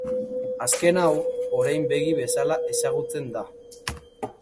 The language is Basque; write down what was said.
Azken hau, orein begi bezala ezagutzen da.